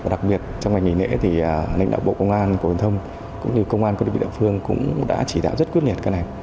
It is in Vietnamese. đặc biệt trong ngày nghỉ lễ thì lãnh đạo bộ công an của giao thông cũng như công an của địa phương cũng đã chỉ đạo rất quyết liệt cái này